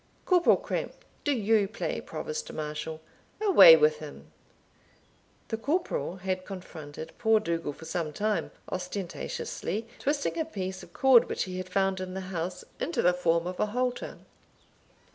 Corporal Cramp, do you play Provost Marshal away with him!" The corporal had confronted poor Dougal for some time, ostentatiously twisting a piece of cord which he had found in the house into the form of a halter.